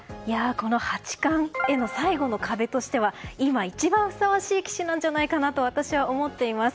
この八冠への最後の壁としては今、一番ふさわしい棋士なんじゃないかと私は思っています。